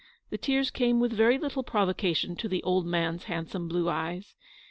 The tears came with very little provo cation to the old man's handsome blue eyes.